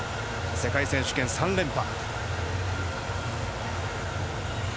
世界選手権３連覇。